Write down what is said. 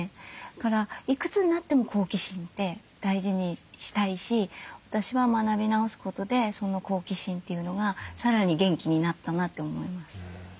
だからいくつになっても好奇心って大事にしたいし私は学び直すことでその好奇心というのがさらに元気になったなって思います。